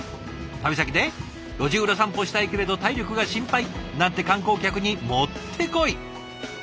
旅先で路地裏散歩したいけれど体力が心配。なんて観光客にもってこい！